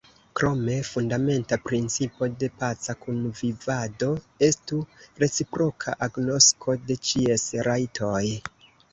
Krome, fundamenta principo de paca kunvivado estu reciproka agnosko de ĉies rajtoj.